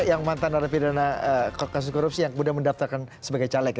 yang mantan dari pidana kasus korupsi yang mudah mendaftarkan sebagai caleg